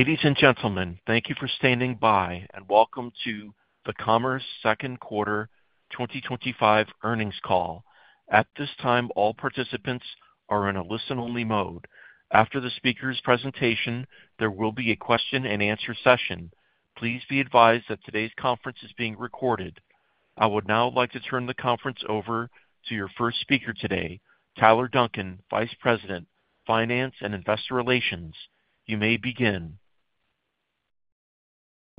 Ladies and gentlemen, thank you for standing by and welcome to the Commerce Second Quarter 2025 Earnings Call. At this time, all participants are in a listen-only mode. After the speaker's presentation, there will be a question-and-answer session. Please be advised that today's conference is being recorded. I would now like to turn the conference over to your first speaker today, Tyler Duncan, Vice President, Finance and Investor Relations. You may begin.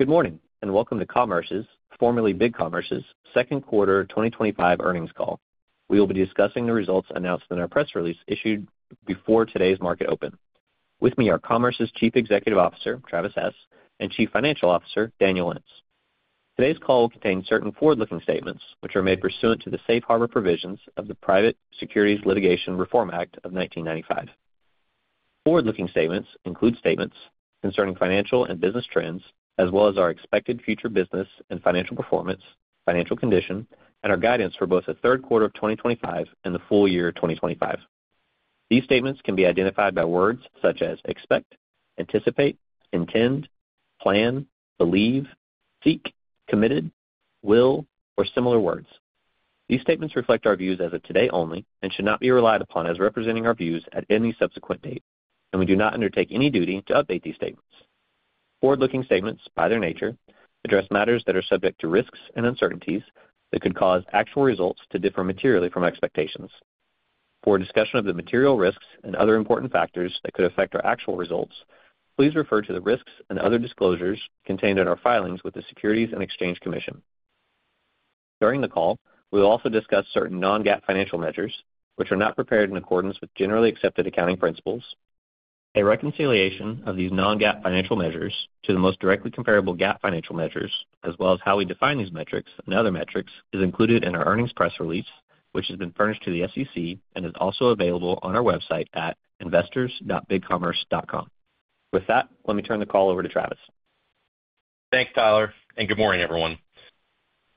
Good morning and welcome to Commerce's, formerly BigCommerce's, Second Quarter 2025 Earnings Call. We will be discussing the results announced in our press release issued before today's market open. With me are Commerce's Chief Executive Officer, Travis Hess, and Chief Financial Officer, Daniel Lentz. Today's call will contain certain forward-looking statements, which are made pursuant to the Safe Harbor provisions of the Private Securities Litigation Reform Act of 1995. Forward-looking statements include statements concerning financial and business trends, as well as our expected future business and financial performance, financial condition, and our guidance for both the third quarter of 2025 and the full year 2025. These statements can be identified by words such as expect, anticipate, intend, plan, believe, seek, committed, will, or similar words. These statements reflect our views as of today only and should not be relied upon as representing our views at any subsequent date, and we do not undertake any duty to update these statements. Forward-looking statements, by their nature, address matters that are subject to risks and uncertainties that could cause actual results to differ materially from expectations. For a discussion of the material risks and other important factors that could affect our actual results, please refer to the risks and other disclosures contained in our filings with the Securities and Exchange Commission. During the call, we will also discuss certain non-GAAP financial measures, which are not prepared in accordance with generally accepted accounting principles. A reconciliation of these non-GAAP financial measures to the most directly comparable GAAP financial measures, as well as how we define these metrics and other metrics, is included in our earnings press release, which has been furnished to the SEC and is also available on our website at investors.bigcommerce.com. With that, let me turn the call over to Travis. Thanks, Tyler, and good morning, everyone.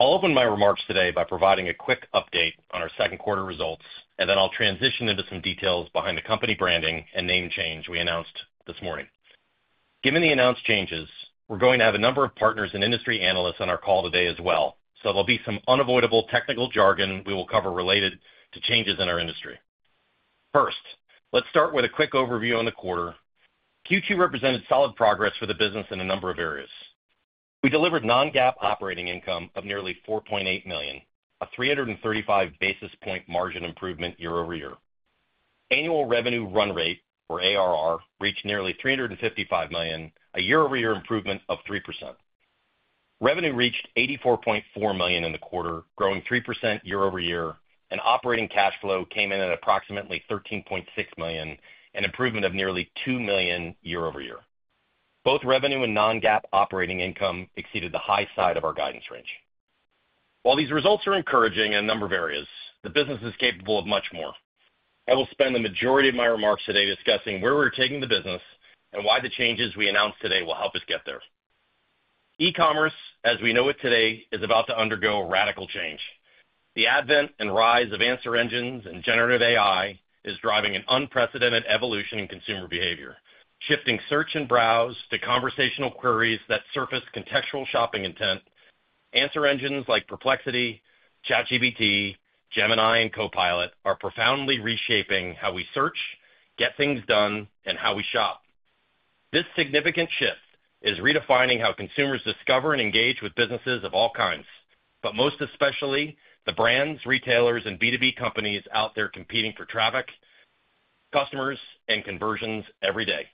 I'll open my remarks today by providing a quick update on our second quarter results, and then I'll transition into some details behind the company branding and name change we announced this morning. Given the announced changes, we're going to have a number of partners and industry analysts on our call today as well, so there will be some unavoidable technical jargon we will cover related to changes in our industry. First, let's start with a quick overview on the quarter. Q2 represented solid progress for the business in a number of areas. We delivered non-GAAP operating income of nearly $4.8 million, a 335 basis point margin improvement year-over-year. Annual revenue run rate, or ARR, reached nearly $355 million, a year-over-year improvement of 3%. Revenue reached $84.4 million in the quarter, growing 3% year-over-year, and operating cash flow came in at approximately $13.6 million, an improvement of nearly $2 million year-over-year. Both revenue and non-GAAP operating income exceeded the high side of our guidance range. While these results are encouraging in a number of areas, the business is capable of much more. I will spend the majority of my remarks today discussing where we're taking the business and why the changes we announce today will help us get there. E-commerce, as we know it today, is about to undergo a radical change. The advent and rise of answer engines and generative AI is driving an unprecedented evolution in consumer behavior, shifting search and browse to conversational queries that surface contextual shopping intent. Answer engines like Perplexity, ChatGPT, Gemini, and Copilot are profoundly reshaping how we search, get things done, and how we shop. This significant shift is redefining how consumers discover and engage with businesses of all kinds, but most especially the brands, retailers, and B2B companies out there competing for traffic, customers, and conversions every day.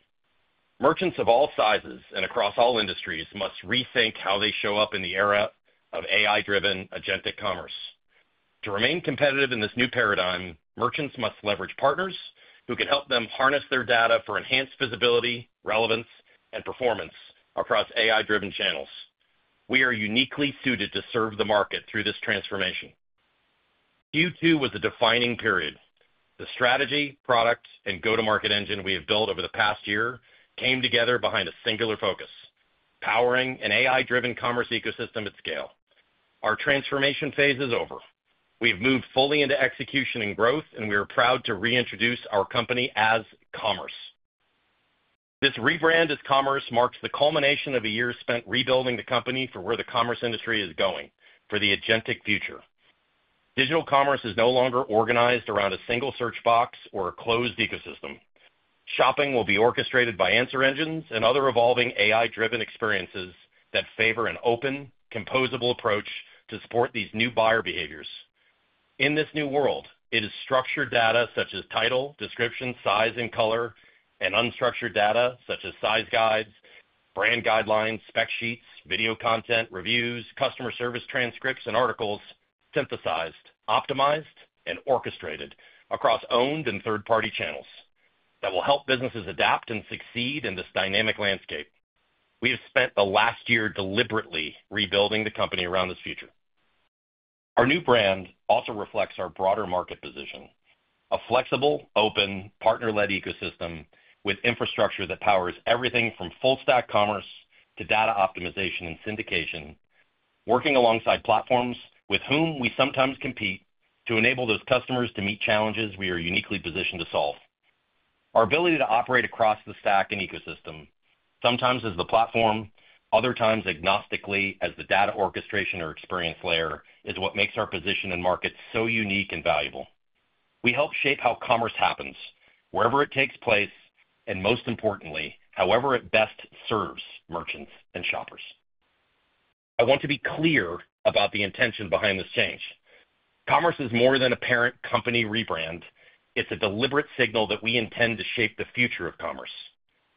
Merchants of all sizes and across all industries must rethink how they show up in the era of AI-driven agentic commerce. To remain competitive in this new paradigm, merchants must leverage partners who can help them harness their data for enhanced visibility, relevance, and performance across AI-driven channels. We are uniquely suited to serve the market through this transformation. Q2 was a defining period. The strategy, product, and go-to-market engine we have built over the past year came together behind a singular focus: powering an AI-driven commerce ecosystem at scale. Our transformation phase is over. We've moved fully into execution and growth, and we are proud to reintroduce our company as Commerce. This rebrand as Commerce marks the culmination of a year spent rebuilding the company for where the commerce industry is going for the agentic future. Digital commerce is no longer organized around a single search box or a closed ecosystem. Shopping will be orchestrated by answer engines and other evolving AI-driven experiences that favor an open, composable approach to support these new buyer behaviors. In this new world, it is structured data such as title, description, size, and color, and unstructured data such as size guides, brand guidelines, spec sheets, video content, reviews, customer service transcripts, and articles synthesized, optimized, and orchestrated across owned and third-party channels that will help businesses adapt and succeed in this dynamic landscape. We have spent the last year deliberately rebuilding the company around this future. Our new brand also reflects our broader market position: a flexible, open, partner-led ecosystem with infrastructure that powers everything from full-stack commerce to data optimization and syndication, working alongside platforms with whom we sometimes compete to enable those customers to meet challenges we are uniquely positioned to solve. Our ability to operate across the stack and ecosystem, sometimes as the platform, other times agnostically as the data orchestration or experience layer, is what makes our position in markets so unique and valuable. We help shape how commerce happens, wherever it takes place, and most importantly, however it best serves merchants and shoppers. I want to be clear about the intention behind this change. Commerce is more than a parent company rebrand; it's a deliberate signal that we intend to shape the future of commerce.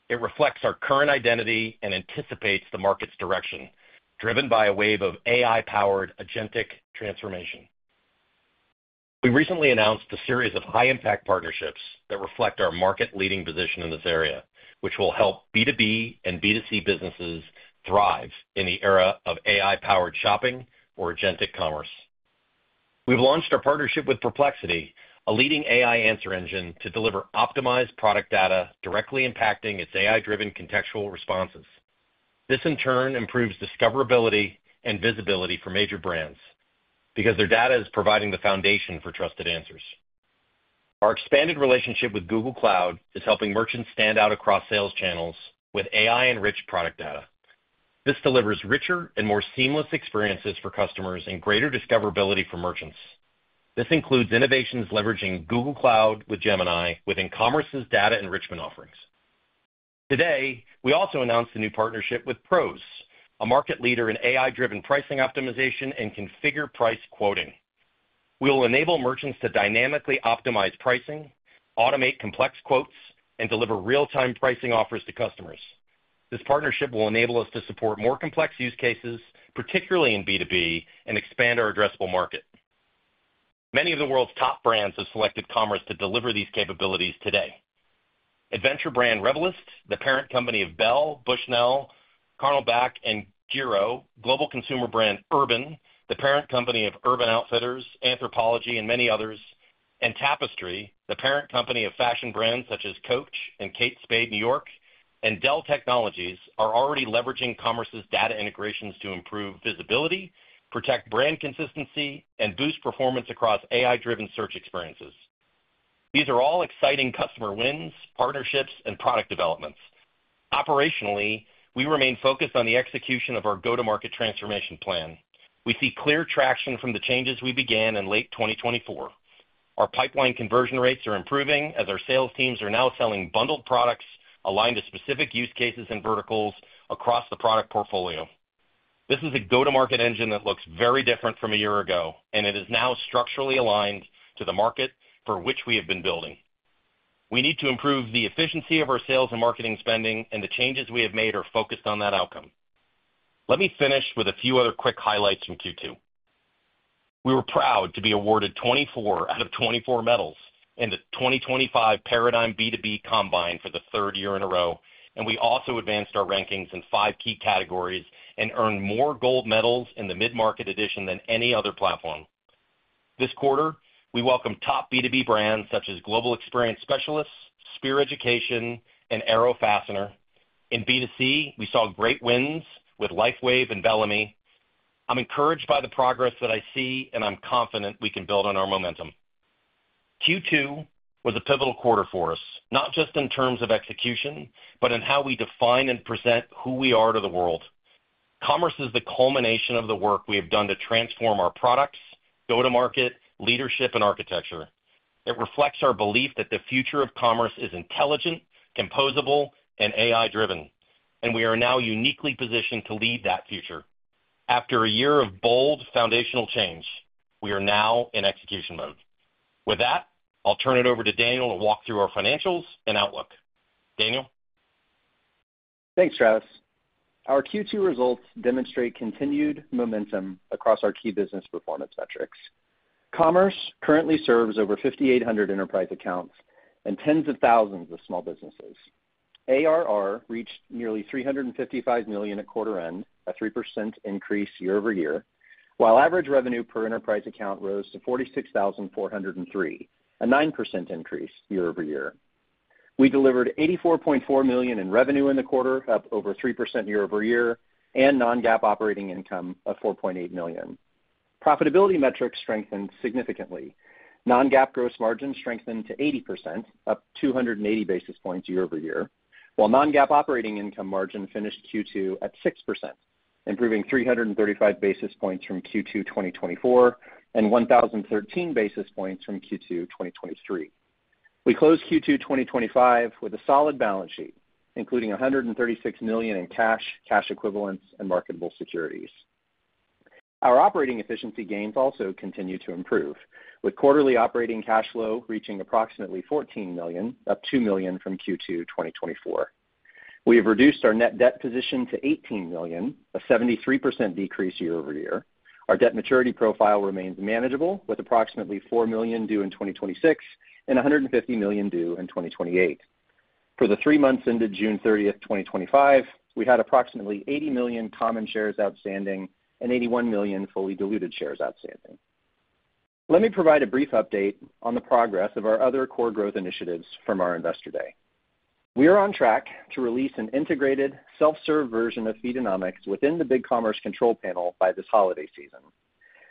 It reflects our current identity and anticipates the market's direction, driven by a wave of AI-powered agentic transformation. We recently announced a series of high-impact partnerships that reflect our market-leading position in this area, which will help B2B and B2C businesses thrive in the era of AI-powered shopping or agentic commerce. We've launched a partnership with Perplexity, a leading AI answer engine, to deliver optimized product data directly impacting its AI-driven contextual responses. This, in turn, improves discoverability and visibility for major brands because their data is providing the foundation for trusted answers. Our expanded relationship with Google Cloud is helping merchants stand out across sales channels with AI-enriched product data. This delivers richer and more seamless experiences for customers and greater discoverability for merchants. This includes innovations leveraging Google Cloud with Gemini within Commerce's data enrichment offerings. Today, we also announced a new partnership with PROS, a market leader in AI-driven pricing optimization and configured price quoting. We will enable merchants to dynamically optimize pricing, automate complex quotes, and deliver real-time pricing offers to customers. This partnership will enable us to support more complex use cases, particularly in B2B, and expand our addressable market. Many of the world's top brands have selected Commerce to deliver these capabilities today: adventure brand Revelyst, the parent company of Bell, Bushnell, Carnivac, and GIRO; global consumer brand Urban, the parent company of Urban Outfitters, Anthropologie, and many others; and Tapestry, the parent company of fashion brands such as Coach and Kate Spade, New York; and Dell Technologies are already leveraging Commerce's data integrations to improve visibility, protect brand consistency, and boost performance across AI-driven search experiences. These are all exciting customer wins, partnerships, and product developments. Operationally, we remain focused on the execution of our go-to-market transformation plan. We see clear traction from the changes we began in late 2024. Our pipeline conversion rates are improving as our sales teams are now selling bundled products aligned to specific use cases and verticals across the product portfolio. This is a go-to-market engine that looks very different from a year ago, and it is now structurally aligned to the market for which we have been building. We need to improve the efficiency of our sales and marketing spending, and the changes we have made are focused on that outcome. Let me finish with a few other quick highlights from Q2. We were proud to be awarded 24 out of 24 medals in the 2025 Paradigm B2B Combine for the third year in a row, and we also advanced our rankings in five key categories and earned more gold medals in the mid-market edition than any other platform. This quarter, we welcomed top B2B brands such as Global Experience Specialists, Spear Education, and Arrow Fastener. In B2C, we saw great wins with LifeWave and Bellamy. I'm encouraged by the progress that I see, and I'm confident we can build on our momentum. Q2 was a pivotal quarter for us, not just in terms of execution, but in how we define and present who we are to the world. Commerce is the culmination of the work we have done to transform our products, go-to-market, leadership, and architecture. It reflects our belief that the future of commerce is intelligent, composable, and AI-driven, and we are now uniquely positioned to lead that future. After a year of bold foundational change, we are now in execution mode. With that, I'll turn it over to Daniel to walk through our financials and outlook. Daniel? Thanks, Travis. Our Q2 results demonstrate continued momentum across our key business performance metrics. Commerce currently serves over 5,800 enterprise accounts and tens of thousands of small businesses. ARR reached nearly $355 million at quarter end, a 3% increase year-over-year, while average revenue per enterprise account rose to $46,403, a 9% increase year-over-year. We delivered $84.4 million in revenue in the quarter, up over 3% year-over-year, and non-GAAP operating income of $4.8 million. Profitability metrics strengthened significantly. Non-GAAP gross margin strengthened to 80%, up 280 basis points year-over-year, while non-GAAP operating income margin finished Q2 at 6%, improving 335 basis points from Q2 2024 and 1,013 basis points from Q2 2023. We closed Q2 2025 with a solid balance sheet, including $136 million in cash, cash equivalents, and marketable securities. Our operating efficiency gains also continue to improve, with quarterly operating cash flow reaching approximately $14 million, up $2 million from Q2 2024. We have reduced our net debt position to $18 million, a 73% decrease year-over-year. Our debt maturity profile remains manageable, with approximately $4 million due in 2026 and $150 million due in 2028. For the three months ended June 30th, 2025, we had approximately 80 million common shares outstanding and 81 million fully diluted shares outstanding. Let me provide a brief update on the progress of our other core growth initiatives from our Investor Day. We are on track to release an integrated self-serve version of Feedonomics within the BigCommerce control panel by this holiday season.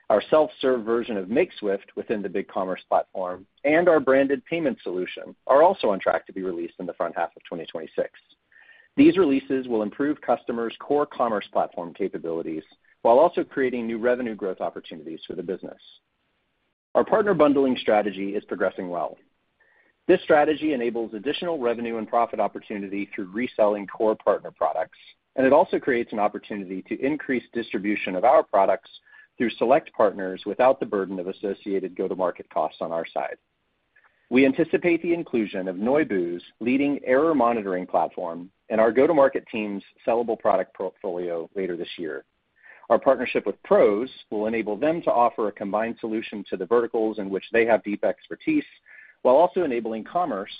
Our self-serve version of Makeswift within the BigCommerce platform and our branded payment solution are also on track to be released in the front half of 2026. These releases will improve customers' core commerce platform capabilities while also creating new revenue growth opportunities for the business. Our partner bundling strategy is progressing well. This strategy enables additional revenue and profit opportunity through reselling core partner products, and it also creates an opportunity to increase distribution of our products through select partners without the burden of associated go-to-market costs on our side. We anticipate the inclusion of Noibu's leading error monitoring platform in our go-to-market team's sellable product portfolio later this year. Our partnership with PROS will enable them to offer a combined solution to the verticals in which they have deep expertise, while also enabling Commerce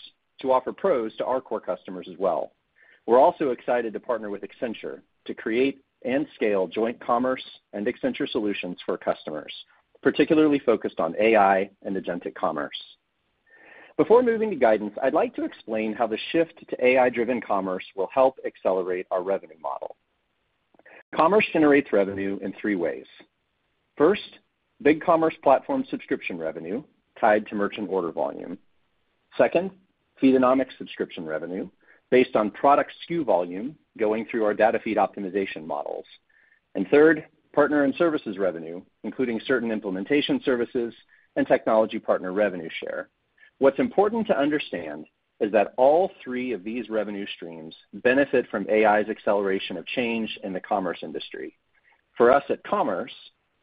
to offer PROS to our core customers as well. We're also excited to partner with Accenture to create and scale joint Commerce and Accenture solutions for customers, particularly focused on AI and agentic commerce. Before moving to guidance, I'd like to explain how the shift to AI-driven commerce will help accelerate our revenue model. Commerce generates revenue in three ways. First, BigCommerce platform subscription revenue tied to merchant order volume. Second, Feedonomics subscription revenue based on product SKU volume going through our data feed optimization models. Third, partner and services revenue, including certain implementation services and technology partner revenue share. What's important to understand is that all three of these revenue streams benefit from AI's acceleration of change in the commerce industry. For us at Commerce,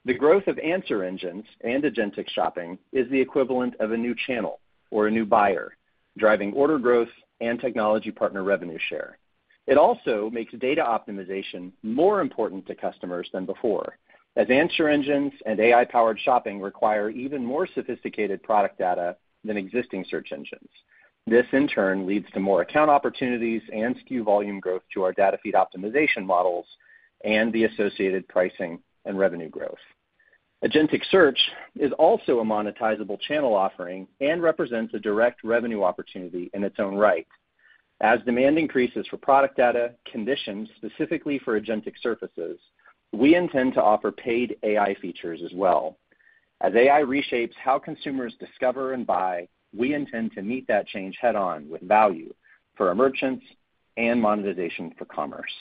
the growth of answer engines and agentic shopping is the equivalent of a new channel or a new buyer, driving order growth and technology partner revenue share. It also makes data optimization more important to customers than before, as answer engines and AI-powered shopping require even more sophisticated product data than existing search engines. This, in turn, leads to more account opportunities and SKU volume growth to our data feed optimization models and the associated pricing and revenue growth. Agentic search is also a monetizable channel offering and represents a direct revenue opportunity in its own right. As demand increases for product data conditions specifically for agentic services, we intend to offer paid AI features as well. As AI reshapes how consumers discover and buy, we intend to meet that change head-on with value for merchants and monetization for Commerce.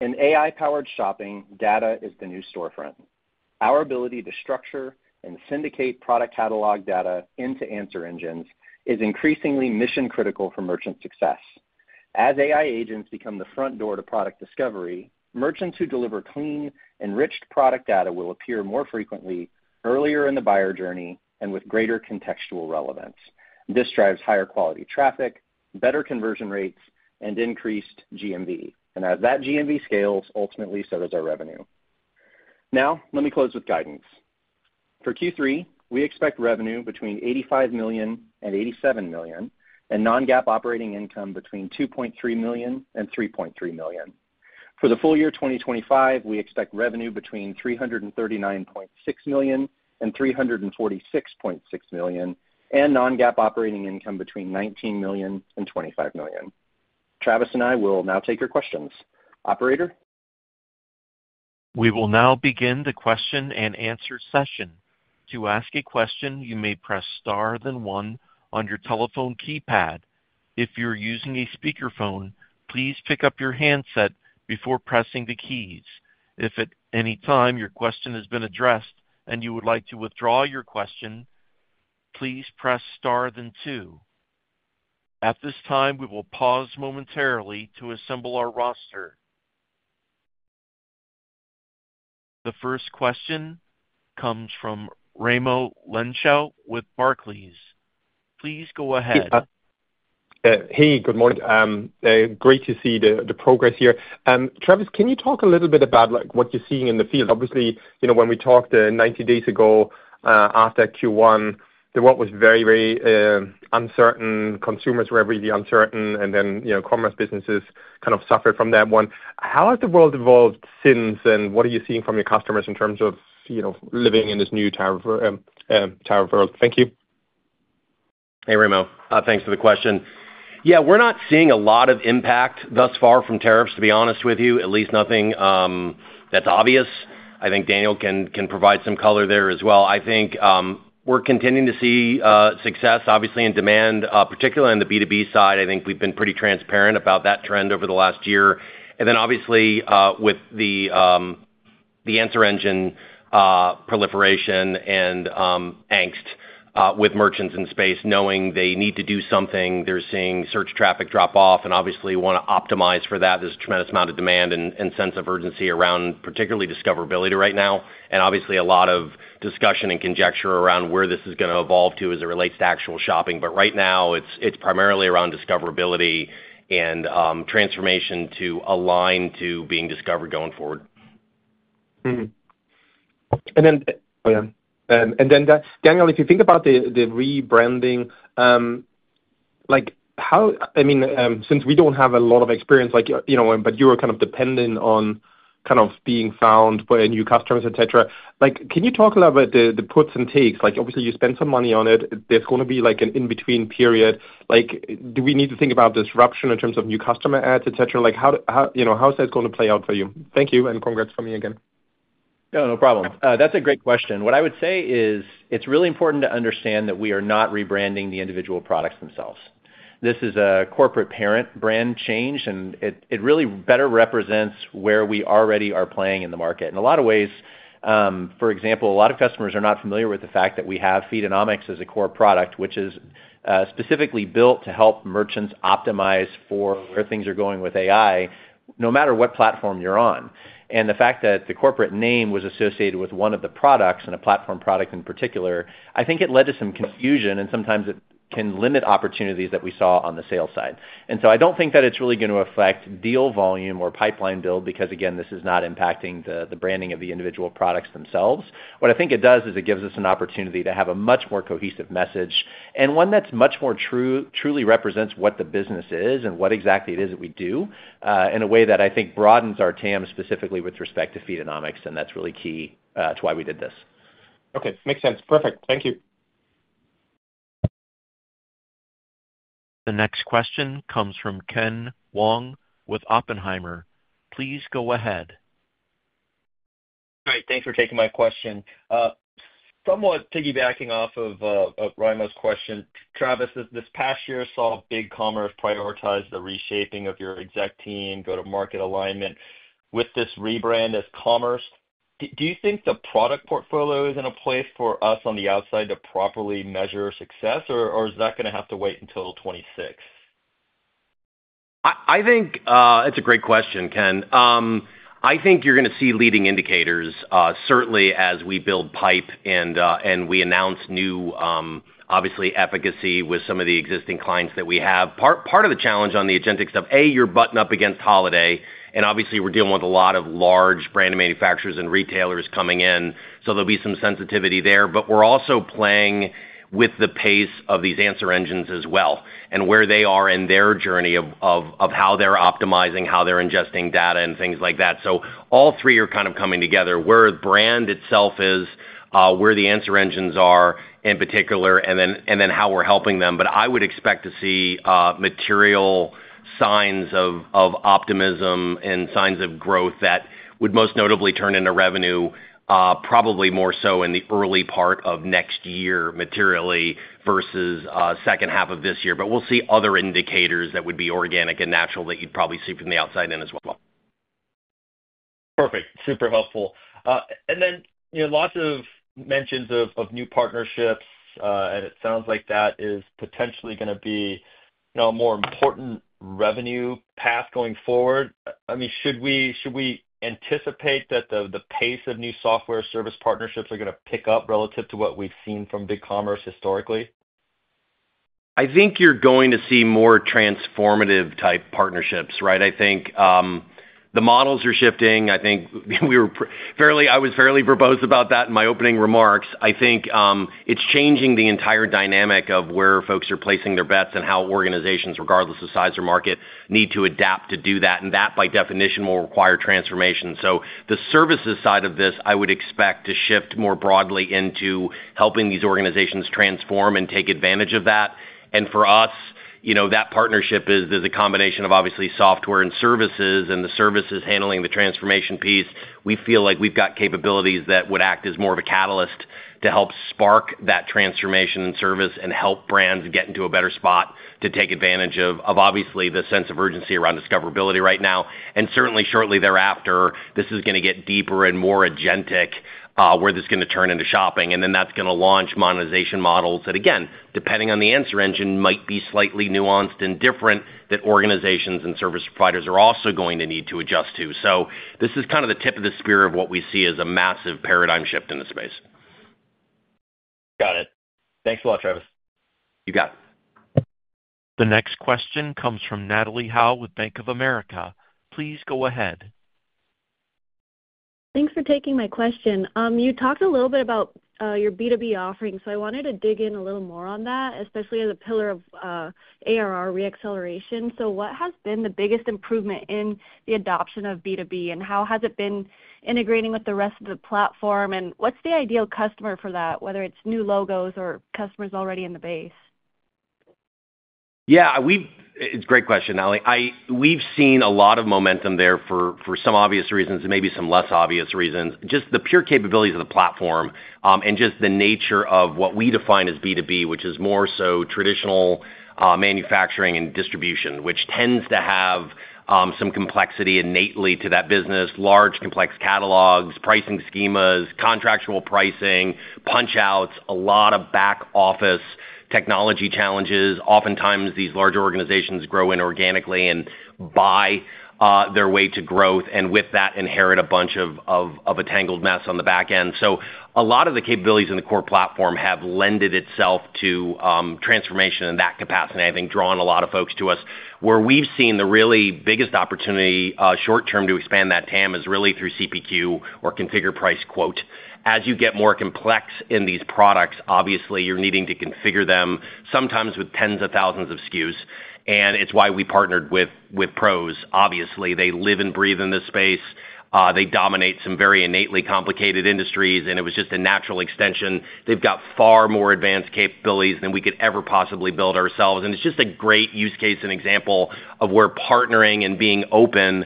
In AI-powered shopping, data is the new storefront. Our ability to structure and syndicate product catalog data into answer engines is increasingly mission-critical for merchant success. As AI agents become the front door to product discovery, merchants who deliver clean, enriched product data will appear more frequently, earlier in the buyer journey, and with greater contextual relevance. This drives higher quality traffic, better conversion rates, and increased GMV. As that GMV scales, ultimately so does our revenue. Now, let me close with guidance. For Q3, we expect revenue between $85 million and $87 million, and non-GAAP operating income between $2.3 million and $3.3 million. For the full year 2025, we expect revenue between $339.6 million and $346.6 million, and non-GAAP operating income between $19 million and $25 million. Travis and I will now take your questions. Operator? We will now begin the question-and-answer session. To ask a question, you may press star then one on your telephone keypad. If you're using a speakerphone, please pick up your handset before pressing the keys. If at any time your question has been addressed and you would like to withdraw your question, please press star then two. At this time, we will pause momentarily to assemble our roster. The first question comes from Raimo Lenschow with Barclays. Please go ahead. Hey, good morning. Great to see the progress here. Travis, can you talk a little bit about what you're seeing in the field? Obviously, you know, when we talked 90 days ago after Q1, the world was very, very uncertain. Consumers were really uncertain, and then, you know, commerce businesses kind of suffered from that one. How has the world evolved since, and what are you seeing from your customers in terms of, you know, living in this new tariff world? Thank you. Hey, Raimo. Thanks for the question. Yeah, we're not seeing a lot of impact thus far from tariffs, to be honest with you. At least nothing that's obvious. I think Daniel can provide some color there as well. We're continuing to see success, obviously, in demand, particularly on the B2B side. I think we've been pretty transparent about that trend over the last year. Obviously, with the answer engine proliferation and angst with merchants in the space, knowing they need to do something, they're seeing search traffic drop off and obviously want to optimize for that. There's a tremendous amount of demand and sense of urgency around particularly discoverability right now. There's a lot of discussion and conjecture around where this is going to evolve to as it relates to actual shopping. Right now, it's primarily around discoverability and transformation to align to being discovered going forward. Daniel, if you think about the rebranding, like how, I mean, since we don't have a lot of experience, like, you know, but you were kind of dependent on kind of being found by new customers, et cetera. Can you talk a little bit about the puts and takes? Obviously, you spent some money on it. There's going to be like an in-between period. Do we need to think about disruption in terms of new customer ads, et cetera? How is that going to play out for you? Thank you, and congrats for me again. Yeah, no problem. That's a great question. What I would say is it's really important to understand that we are not rebranding the individual products themselves. This is a corporate parent brand change, and it really better represents where we already are playing in the market. In a lot of ways, for example, a lot of customers are not familiar with the fact that we have Feedonomics as a core product, which is specifically built to help merchants optimize for where things are going with AI, no matter what platform you're on. The fact that the corporate name was associated with one of the products and a platform product in particular, I think it led to some confusion, and sometimes it can limit opportunities that we saw on the sales side. I don't think that it's really going to affect deal volume or pipeline build because, again, this is not impacting the branding of the individual products themselves. What I think it does is it gives us an opportunity to have a much more cohesive message and one that truly represents what the business is and what exactly it is that we do in a way that I think broadens our TAM specifically with respect to Feedonomics, and that's really key to why we did this. Okay, makes sense. Perfect. Thank you. The next question comes from Ken Wong with Oppenheimer. Please go ahead. Hi, thanks for taking my question. Somewhat piggybacking off of Raimo's question, Travis, this past year saw BigCommerce prioritize the reshaping of your executive team, go-to-market alignment with this rebrand as Commerce. Do you think the product portfolio is in a place for us on the outside to properly measure success, or is that going to have to wait until 2026? I think it's a great question, Ken. I think you're going to see leading indicators, certainly as we build pipeline and we announce new, obviously, efficacy with some of the existing clients that we have. Part of the challenge on the agentic stuff, you're buttoned up against holiday, and obviously we're dealing with a lot of large brand manufacturers and retailers coming in, so there'll be some sensitivity there. We're also playing with the pace of these answer engines as well and where they are in their journey of how they're optimizing, how they're ingesting data, and things like that. All three are kind of coming together, where the brand itself is, where the answer engines are in particular, and then how we're helping them. I would expect to see material signs of optimism and signs of growth that would most notably turn into revenue, probably more so in the early part of next year materially versus the second half of this year. We'll see other indicators that would be organic and natural that you'd probably see from the outside in as well. Perfect. Super helpful. You know, lots of mentions of new partnerships, and it sounds like that is potentially going to be a more important revenue path going forward. I mean, should we anticipate that the pace of new software service partnerships are going to pick up relative to what we've seen from BigCommerce historically? I think you're going to see more transformative type partnerships, right? I think the models are shifting. I think I was fairly verbose about that in my opening remarks. I think it's changing the entire dynamic of where folks are placing their bets and how organizations, regardless of size or market, need to adapt to do that. That, by definition, will require transformation. The services side of this, I would expect to shift more broadly into helping these organizations transform and take advantage of that. For us, that partnership is a combination of obviously software and services, and the service is handling the transformation piece. We feel like we've got capabilities that would act as more of a catalyst to help spark that transformation in service and help brands get into a better spot to take advantage of obviously the sense of urgency around discoverability right now. Certainly, shortly thereafter, this is going to get deeper and more agentic, where this is going to turn into shopping. That's going to launch monetization models that, again, depending on the answer engine, might be slightly nuanced and different that organizations and service providers are also going to need to adjust to. This is kind of the tip of the spear of what we see as a massive paradigm shift in the space. Got it. Thanks a lot, Travis. You got it. The next question comes from Natalie Howe with Bank of America. Please go ahead. Thanks for taking my question. You talked a little bit about your B2B offerings, I wanted to dig in a little more on that, especially as a pillar of ARR reacceleration. What has been the biggest improvement in the adoption of B2B, and how has it been integrating with the rest of the platform, and what's the ideal customer for that, whether it's new logos or customers already in the base? Yeah, it's a great question, Natalie. We've seen a lot of momentum there for some obvious reasons and maybe some less obvious reasons. Just the pure capabilities of the platform and just the nature of what we define as B2B, which is more so traditional manufacturing and distribution, which tends to have some complexity innately to that business, large complex catalogs, pricing schemas, contractual pricing, punchouts, a lot of back-office technology challenges. Oftentimes, these large organizations grow inorganically and buy their way to growth and with that inherit a bunch of a tangled mess on the back end. A lot of the capabilities in the core platform have lended itself to transformation in that capacity, and I think drawing a lot of folks to us. Where we've seen the really biggest opportunity short term to expand that TAM is really through CPQ or configure price quote. As you get more complex in these products, obviously you're needing to configure them sometimes with tens of thousands of SKUs, and it's why we partnered with PROS. Obviously, they live and breathe in this space. They dominate some very innately complicated industries, and it was just a natural extension. They've got far more advanced capabilities than we could ever possibly build ourselves, and it's just a great use case and example of where partnering and being open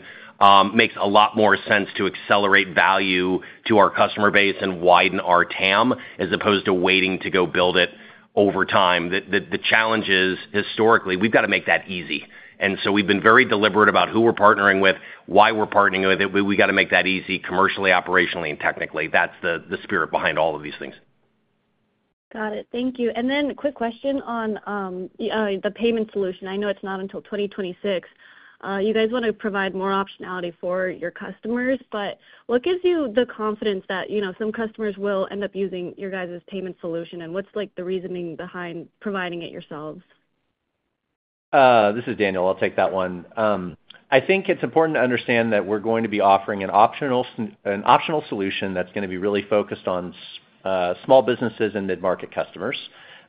makes a lot more sense to accelerate value to our customer base and widen our TAM as opposed to waiting to go build it over time. The challenge is historically, we've got to make that easy. We've been very deliberate about who we're partnering with, why we're partnering with it, but we've got to make that easy commercially, operationally, and technically. That's the spirit behind all of these things. Got it. Thank you. A quick question on the branded payment solution. I know it's not until 2026. You want to provide more optionality for your customers, but what gives you the confidence that some customers will end up using your payment solution, and what's the reasoning behind providing it yourselves? This is Daniel. I'll take that one. I think it's important to understand that we're going to be offering an optional solution that's going to be really focused on small businesses and mid-market customers.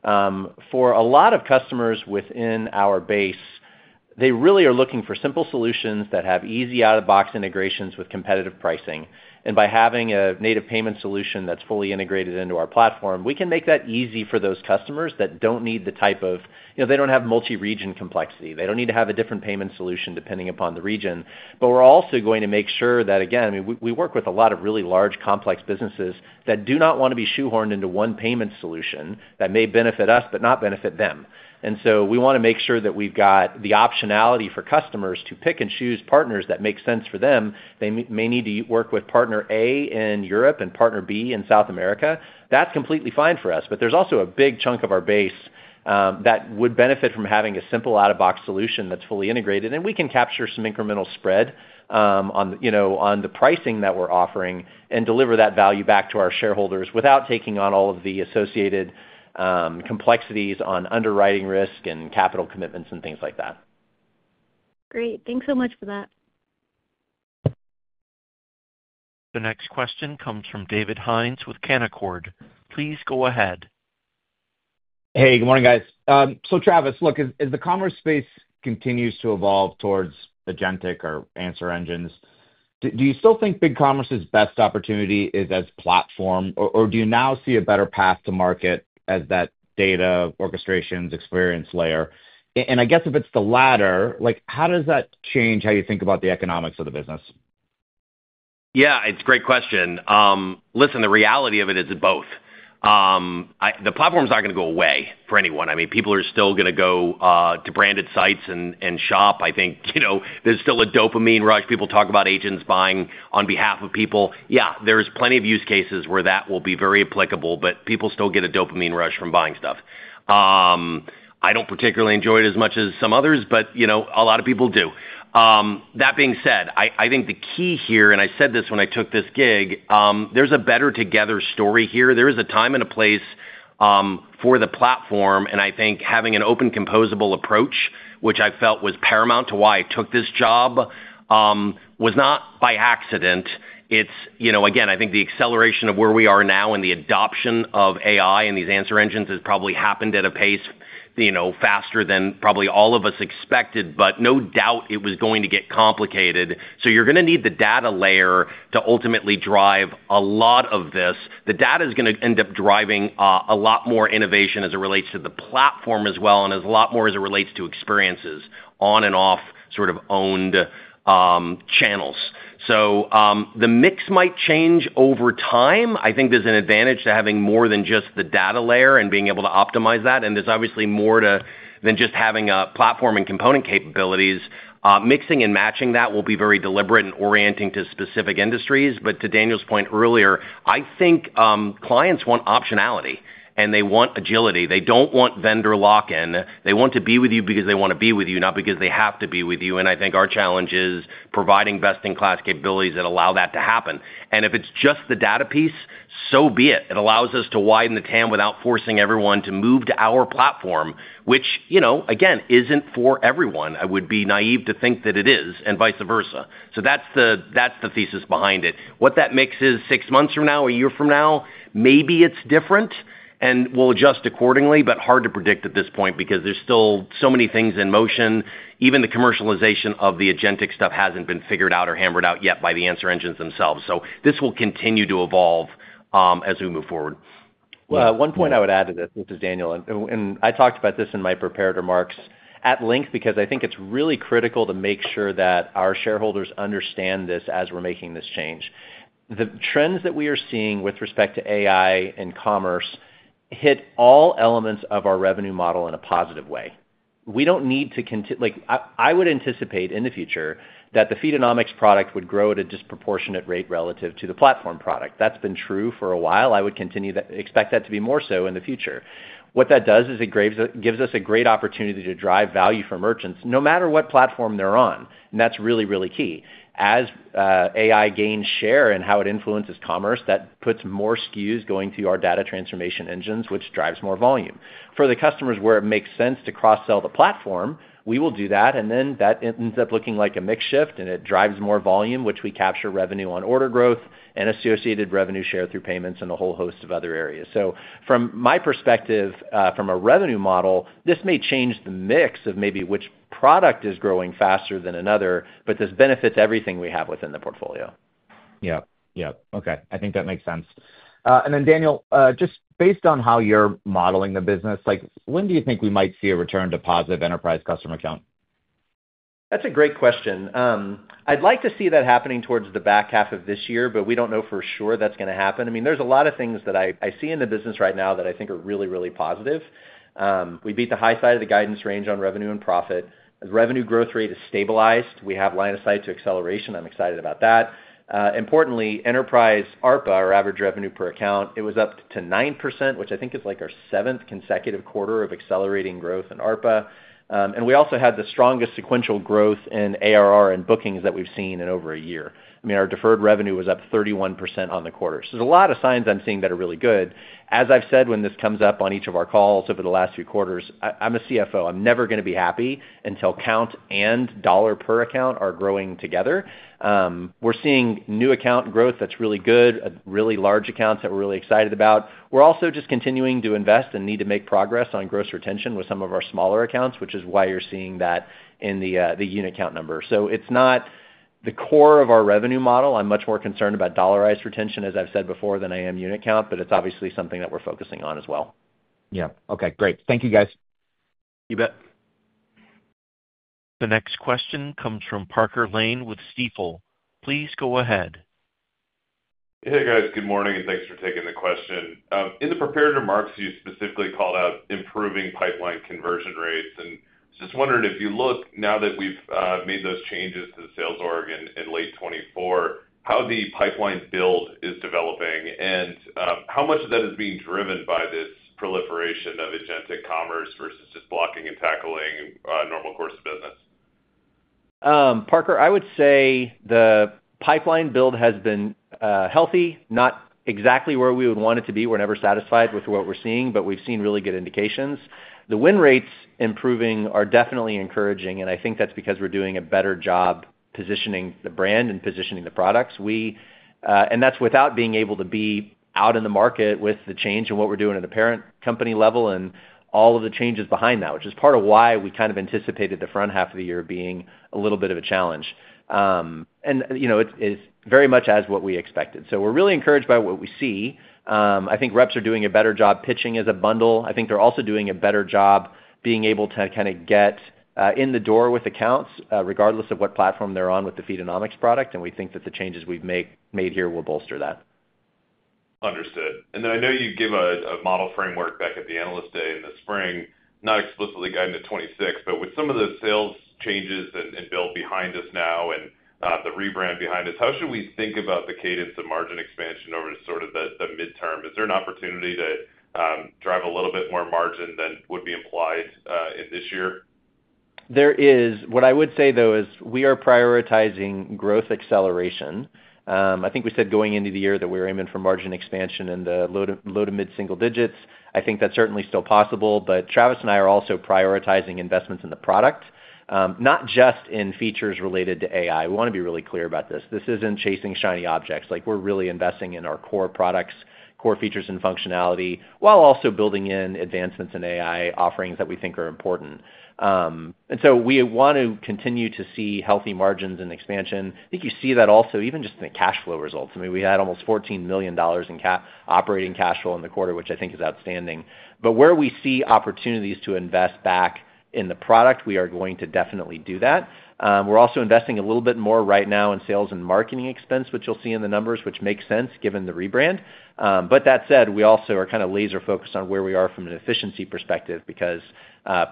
For a lot of customers within our base, they really are looking for simple solutions that have easy out-of-the-box integrations with competitive pricing. By having a native payment solution that's fully integrated into our platform, we can make that easy for those customers that don't need the type of, you know, they don't have multi-region complexity. They don't need to have a different payment solution depending upon the region. We're also going to make sure that, again, we work with a lot of really large, complex businesses that do not want to be shoehorned into one payment solution that may benefit us but not benefit them. We want to make sure that we've got the optionality for customers to pick and choose partners that make sense for them. They may need to work with partner A in Europe and partner B in South America. That's completely fine for us, but there's also a big chunk of our base that would benefit from having a simple out-of-box solution that's fully integrated, and we can capture some incremental spread on the pricing that we're offering and deliver that value back to our shareholders without taking on all of the associated complexities on underwriting risk and capital commitments and things like that. Great. Thanks so much for that. The next question comes from David Hynes with Canaccord. Please go ahead. Good morning, guys. Travis, as the commerce space continues to evolve towards agentic or answer engines, do you still think BigCommerce's best opportunity is as platform, or do you now see a better path to market as that data orchestrations experience layer? If it's the latter, how does that change how you think about the economics of the business? Yeah, it's a great question. Listen, the reality of it is both. The platform's not going to go away for anyone. I mean, people are still going to go to branded sites and shop. I think there's still a dopamine rush. People talk about agents buying on behalf of people. There are plenty of use cases where that will be very applicable, but people still get a dopamine rush from buying stuff. I don't particularly enjoy it as much as some others, but a lot of people do. That being said, I think the key here, and I said this when I took this gig, there's a better together story here. There is a time and a place for the platform, and I think having an open composable approach, which I felt was paramount to why I took this job, was not by accident. Again, I think the acceleration of where we are now in the adoption of AI and these answer engines has probably happened at a pace faster than probably all of us expected, but no doubt it was going to get complicated. You are going to need the data layer to ultimately drive a lot of this. The data is going to end up driving a lot more innovation as it relates to the platform as well, and a lot more as it relates to experiences on and off sort of owned channels. The mix might change over time. I think there's an advantage to having more than just the data layer and being able to optimize that. There is obviously more to it than just having a platform and component capabilities. Mixing and matching that will be very deliberate and orienting to specific industries. To Daniel's point earlier, I think clients want optionality and they want agility. They don't want vendor lock-in. They want to be with you because they want to be with you, not because they have to be with you. I think our challenge is providing best-in-class capabilities that allow that to happen. If it's just the data piece, so be it. It allows us to widen the TAM without forcing everyone to move to our platform, which isn't for everyone. I would be naive to think that it is and vice versa. That's the thesis behind it. What that mix is six months from now, a year from now, maybe it's different and we'll adjust accordingly, but hard to predict at this point because there are still so many things in motion. Even the commercialization of the agentic stuff hasn't been figured out or hammered out yet by the answer engines themselves. This will continue to evolve as we move forward. One point I would add to this, this is Daniel, and I talked about this in my prepared remarks at length because I think it's really critical to make sure that our shareholders understand this as we're making this change. The trends that we are seeing with respect to AI and commerce hit all elements of our revenue model in a positive way. We don't need to continue, like I would anticipate in the future that the Feedonomics product would grow at a disproportionate rate relative to the platform product. That's been true for a while. I would continue to expect that to be more so in the future. What that does is it gives us a great opportunity to drive value for merchants no matter what platform they're on. That's really, really key. As AI gains share and how it influences commerce, that puts more SKUs going through our data transformation engines, which drives more volume. For the customers where it makes sense to cross-sell the platform, we will do that. That ends up looking like a mixed shift, and it drives more volume, which we capture revenue on order growth and associated revenue share through payments and a whole host of other areas. From my perspective, from a revenue model, this may change the mix of maybe which product is growing faster than another, but this benefits everything we have within the portfolio. Okay. I think that makes sense. Daniel, just based on how you're modeling the business, like when do you think we might see a return to positive enterprise customer count? That's a great question. I'd like to see that happening towards the back half of this year, but we don't know for sure that's going to happen. There are a lot of things that I see in the business right now that I think are really, really positive. We beat the high side of the guidance range on revenue and profit. The revenue growth rate is stabilized. We have line of sight to acceleration. I'm excited about that. Importantly, enterprise ARPA, our average revenue per account, it was up to 9%, which I think is like our seventh consecutive quarter of accelerating growth in ARPA. We also had the strongest sequential growth in ARR and bookings that we've seen in over a year. Our deferred revenue was up 31% on the quarter. There are a lot of signs I'm seeing that are really good. As I've said when this comes up on each of our calls over the last few quarters, I'm a CFO. I'm never going to be happy until count and dollar per account are growing together. We're seeing new account growth that's really good, really large accounts that we're really excited about. We're also just continuing to invest and need to make progress on gross retention with some of our smaller accounts, which is why you're seeing that in the unit count number. It's not the core of our revenue model. I'm much more concerned about dollarized retention, as I've said before, than I am unit count, but it's obviously something that we're focusing on as well. Yeah, okay, great. Thank you, guys. You bet. The next question comes from Parker Lane with Stifel. Please go ahead. Hey, guys, good morning, and thanks for taking the question. In the prepared remarks, you specifically called out improving pipeline conversion rates, and I'm just wondering if you look now that we've made those changes to the sales org in late 2024, how the pipeline build is developing and how much of that is being driven by this proliferation of agentic commerce versus just blocking and tackling a normal course of business. Parker, I would say the pipeline build has been healthy, not exactly where we would want it to be. We're never satisfied with what we're seeing, but we've seen really good indications. The win rates improving are definitely encouraging, and I think that's because we're doing a better job positioning the brand and positioning the products. That's without being able to be out in the market with the change in what we're doing at the parent company level and all of the changes behind that, which is part of why we kind of anticipated the front half of the year being a little bit of a challenge. It's very much as what we expected. We're really encouraged by what we see. I think reps are doing a better job pitching as a bundle. I think they're also doing a better job being able to kind of get in the door with accounts regardless of what platform they're on with the Feedonomics product, and we think that the changes we've made here will bolster that. Understood. I know you give a model framework back at the analyst day in the spring, not explicitly guiding to 2026, but with some of the sales changes and build behind us now and the rebrand behind us, how should we think about the cadence of margin expansion over sort of the midterm? Is there an opportunity to drive a little bit more margin than would be implied in this year? There is. What I would say, though, is we are prioritizing growth acceleration. I think we said going into the year that we were aiming for margin expansion in the low to mid-single digits. I think that's certainly still possible, but Travis and I are also prioritizing investments in the product, not just in features related to AI. We want to be really clear about this. This isn't chasing shiny objects. We're really investing in our core products, core features, and functionality while also building in advancements in AI offerings that we think are important. We want to continue to see healthy margins and expansion. I think you see that also even just in the cash flow results. We had almost $14 million in operating cash flow in the quarter, which I think is outstanding. Where we see opportunities to invest back in the product, we are going to definitely do that. We're also investing a little bit more right now in sales and marketing expense, which you'll see in the numbers, which makes sense given the rebrand. That said, we also are kind of laser-focused on where we are from an efficiency perspective because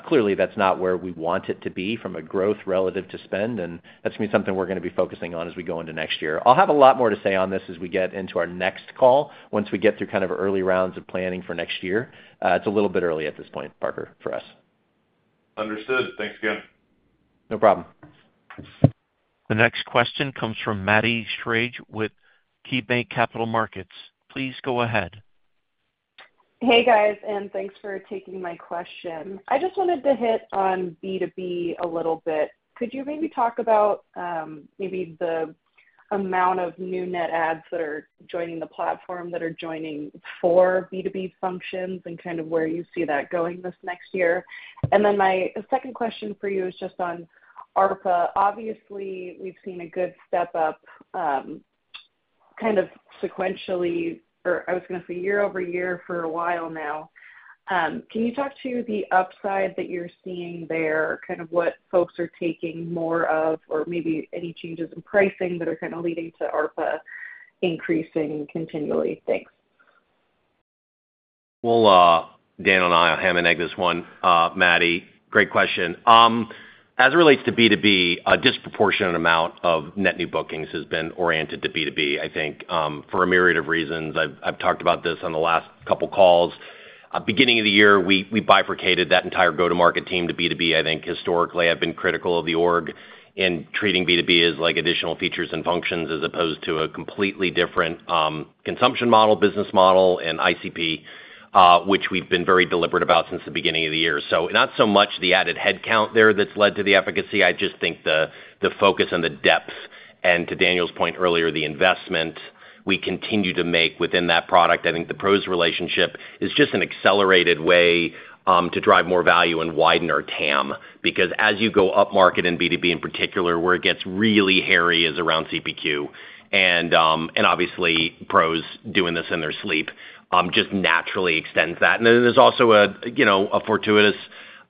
clearly that's not where we want it to be from a growth relative to spend, and that's going to be something we're going to be focusing on as we go into next year. I'll have a lot more to say on this as we get into our next call once we get through kind of early rounds of planning for next year. It's a little bit early at this point, Parker, for us. Understood. Thanks again. No problem. The next question comes from Maddie Schrage with KeyBanc Capital Markets. Please go ahead. Hey, guys, and thanks for taking my question. I just wanted to hit on B2B a little bit. Could you maybe talk about the amount of new net ads that are joining the platform that are joining for B2B functions and kind of where you see that going this next year? My second question for you is just on ARPA. Obviously, we've seen a good step up kind of sequentially, or I was going to say year-over-year for a while now. Can you talk to the upside that you're seeing there, kind of what folks are taking more of, or maybe any changes in pricing that are kind of leading to ARPA increasing continually? Thanks. Daniel and I will hammer-egg this one. Maddie, great question. As it relates to B2B, a disproportionate amount of net new bookings has been oriented to B2B, I think, for a myriad of reasons. I've talked about this on the last couple of calls. Beginning of the year, we bifurcated that entire go-to-market team to B2B. I think historically, I've been critical of the organization in treating B2B as like additional features and functions as opposed to a completely different consumption model, business model, and ICP, which we've been very deliberate about since the beginning of the year. Not so much the added headcount there that's led to the efficacy. I just think the focus and the depth, and to Daniel's point earlier, the investment we continue to make within that product. I think the PROS relationship is just an accelerated way to drive more value and widen our TAM because as you go up market in B2B in particular, where it gets really hairy is around CPQ. Obviously, PROS doing this in their sleep just naturally extends that. There is also a fortuitous